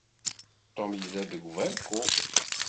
Tom yella deg ubalku.